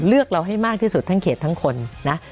เลือกเราให้มากที่สุดทั้งเขตทั้งคนนะ